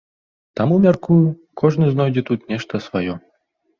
Таму, мяркую, кожны знойдзе тут нешта сваё.